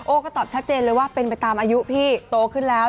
ก็ตอบชัดเจนเลยว่าเป็นไปตามอายุพี่โตขึ้นแล้ว